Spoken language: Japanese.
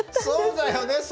そうだよね。